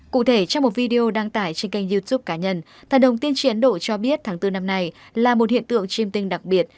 cụ thể trong một video đăng tải trên kênh youtube cá nhân thần đồng tiên tri ấn độ cho biết tháng bốn năm nay là một hiện tượng chim tinh đặc biệt